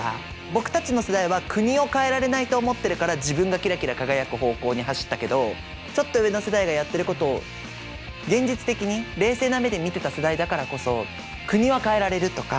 僕たちの世代は国を変えられないと思ってるから自分がキラキラ輝く方向に走ったけどちょっと上の世代がやってることを現実的に冷静な目で見てた世代だからこそ国は変えられるとか。